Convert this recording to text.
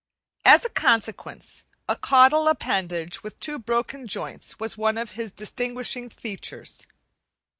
As a consequence, a caudal appendage with two broken joints was one of his distinguishing features.